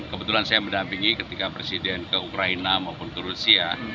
kebetulan saya mendampingi ketika presiden ke ukraina maupun ke rusia